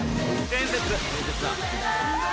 伝説だ。